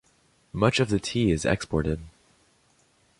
Much of the tea is exported.